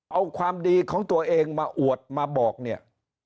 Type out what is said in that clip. เอาความดีของตัวเองมาอวดมาบอกเนี่ย